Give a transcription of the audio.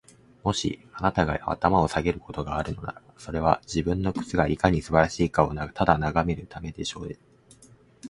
もし、あなたが頭を下げることがあるのなら、それは、自分の靴がいかに素晴らしいかをただ眺めるためでしょうね。